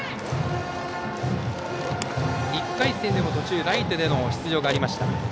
１回戦でもライトで出場がありました。